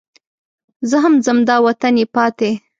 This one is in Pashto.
زه هم ځم دا وطن یې پاتې.